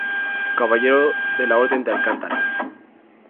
Caballero de la orden de Alcántara.